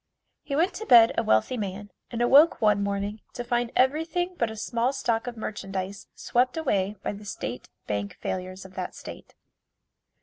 He went to bed a wealthy man and awoke one morning to find everything but a small stock of merchandise swept away by the State Bank failures of that state.